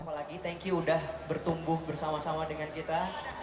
apalagi tanki udah bertumbuh bersama sama dengan kita